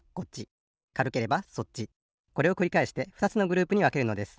これをくりかえしてふたつのグループにわけるのです。